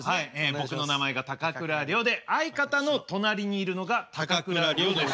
僕の名前が高倉陵で相方の隣にいるのが高倉陵です。